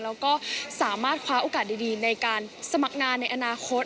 แล้วก็สามารถคว้าโอกาสดีในการสมัครงานในอนาคต